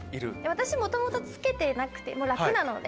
私もともと着けてなくて楽なので。